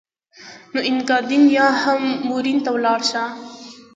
نو اینګادین یا هم مورین ته ولاړ شه.